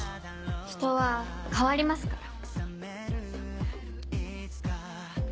人は変わりますから。